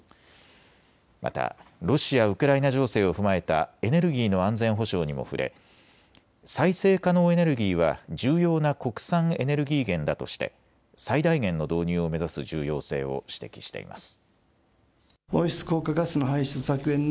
またロシア・ウクライナ情勢を踏まえたエネルギーの安全保障にも触れ再生可能エネルギーは重要な国産エネルギー源だとして最大限の導入を目指す重要性を指摘しています。